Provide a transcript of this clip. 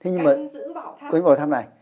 cái quý bảo tháp này